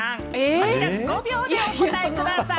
麻貴ちゃん、５秒でお答えください。